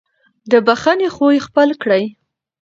د بښنې خوی خپل کړئ.